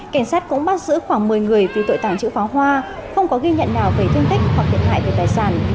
cảnh sát cũng bắt giữ khoảng một mươi người vì tội tàng trữ pháo hoa không có ghi nhận nào về thương tích hoặc thiệt hại về tài sản